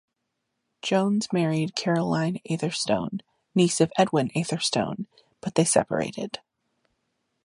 Jones married Caroline Atherstone, niece of Edwin Atherstone, but they separated.